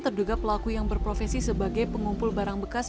terduga pelaku yang berprofesi sebagai pengumpul barang bekas